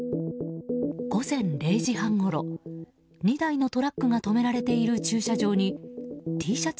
午前０時半ごろ２台のトラックが止められている駐車場にＴシャツ